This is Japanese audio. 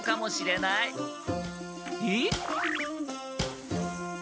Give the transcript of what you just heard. えっ？